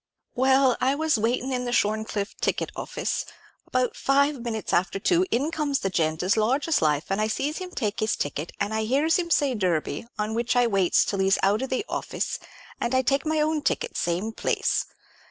"Well, I was waitin' in the Shorncliffe ticket offis, and about five minutes after two in comes the gent as large as life, and I sees him take his ticket, and I hears him say Derby, on which I waits till he's out of the offis, and I takes my own ticket, same place.